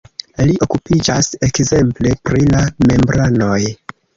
Li okupiĝas ekzemple pri la membranoj.